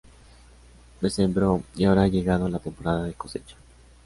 Me sembró, y ahora ha llegado la temporada de cosecha…"